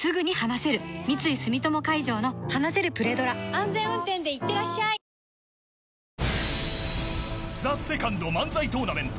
安全運転でいってらっしゃいＴＨＥＳＥＣＯＮＤ漫才トーナメント